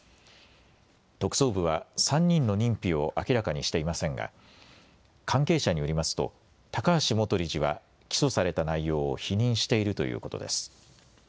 特捜部は３人の認否を明らかにしていませんが関係者によりますと高橋元理事は起訴された内容を否認しているということです。